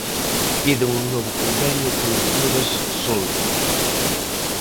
Piden un novo convenio con mellores soldos.